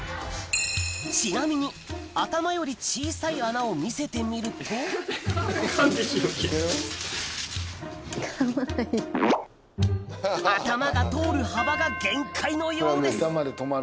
ちなみに頭より小さい穴を見せてみると頭が通る幅が限界のようです